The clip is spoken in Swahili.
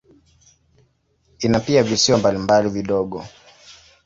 Ina pia visiwa mbalimbali vidogo.